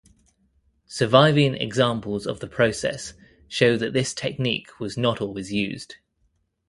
Surviving examples of the process show that this technique was not always used.